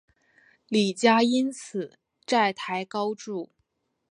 李家因此债台高筑。